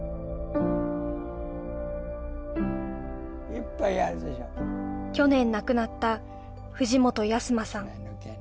いっぱいあるでしょ去年亡くなった藤本安馬さん